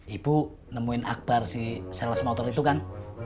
ibu nemuin akbar si sales motor itu kan